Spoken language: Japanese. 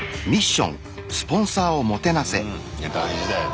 うん大事だよね。